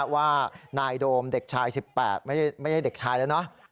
ว่านายโดมเด็กชาย๑๘ไม่ใช่เด็กชายแล้วเนอะ